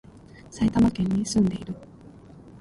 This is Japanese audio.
埼玉県に、住んでいる